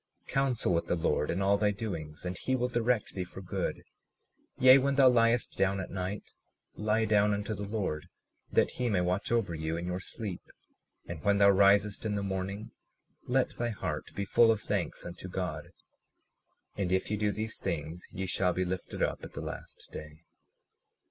37:37 Counsel with the Lord in all thy doings, and he will direct thee for good; yea, when thou liest down at night lie down unto the Lord, that he may watch over you in your sleep; and when thou risest in the morning let thy heart be full of thanks unto God; and if ye do these things, ye shall be lifted up at the last day.